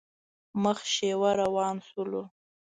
مخ شېوه روان شولو.